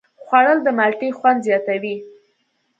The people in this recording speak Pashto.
خوړل د مالټې خوند زیاتوي